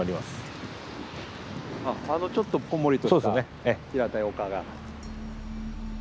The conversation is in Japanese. あっあのちょっとこんもりとした平たい丘が。